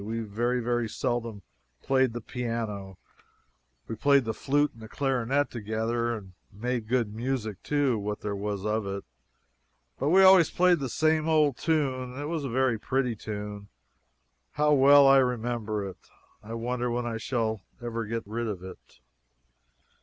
We very, very seldom played the piano; we played the flute and the clarinet together, and made good music, too, what there was of it, but we always played the same old tune; it was a very pretty tune how well I remember it I wonder when I shall ever get rid of it.